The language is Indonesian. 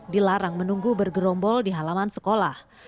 dilarang menunggu bergerombol di halaman sekolah